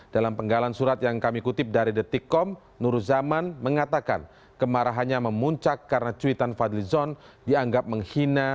dalam penggalan surat yang kami kutip dari the tikom nur zaman mengatakan kemarahannya memuncak karena cuitan fadlizon dianggap menghina yahya